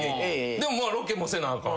でもロケもせなあかん。